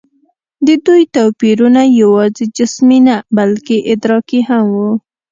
د دوی توپیرونه یواځې جسمي نه، بلکې ادراکي هم وو.